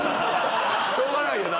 しょうがないよな。